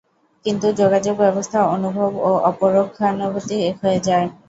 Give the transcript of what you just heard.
কিন্তু যোগাবস্থায় অনুভব ও অপরোক্ষানুভূতি এক হয়ে যায়।